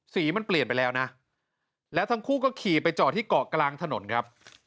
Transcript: สีมันเปลี่ยนไปแล้วนะแล้วทั้งคู่ก็ขี่ไปจอดที่เกาะกลางถนนครับ